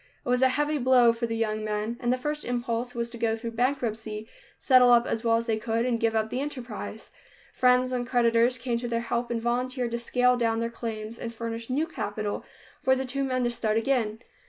It was a heavy blow for the young men, and the first impulse was to go through bankruptcy, settle up as well as they could and give up the enterprise. Friends and creditors came to their help and volunteered to scale down their claims and furnish new capital for the two men to start again.